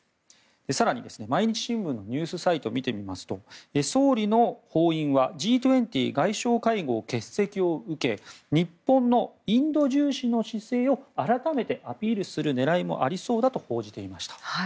更に、毎日新聞のニュースサイトを見てみますと総理の訪印はＧ２０外相会合欠席を受け日本のインド重視の姿勢を改めてアピールする狙いもありそうだと報じていました。